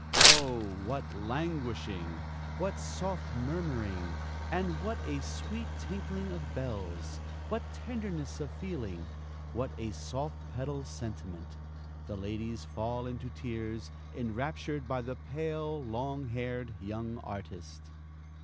Oh, what languishing! what soft murmuring, and what a sweet tinkling of bells! what tenderness of feeling! what a soft pedal sentiment! The ladies fall into tears, enraptured by the pale, long haired young artist.